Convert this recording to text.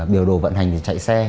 biểu đồ vận hành chạy xe